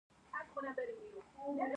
افغانستان د اوبزین معدنونه له پلوه متنوع دی.